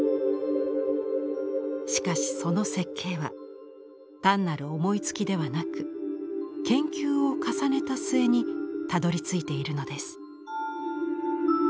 しかしその設計は単なる思いつきではなく研究を重ねた末にたどりついているのです。